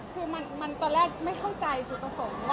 คือมันตอนแรกไม่เข้าใจสุขสม